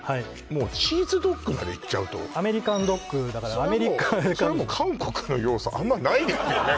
もうチーズドッグまでいっちゃうとアメリカンドッグだからアメリカそれもう韓国の要素あんまないですよね